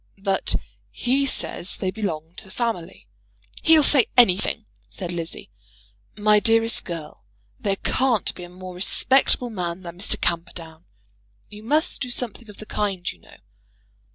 "But he says they belong to the family." "He'll say anything," said Lizzie. "My dearest girl, there can't be a more respectable man than Mr. Camperdown. You must do something of the kind, you know."